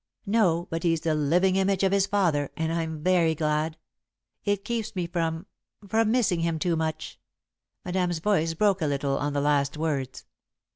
"No, but he's the living image of his father, and I'm very glad. It keeps me from from missing him too much," Madame's voice broke a little on the last words.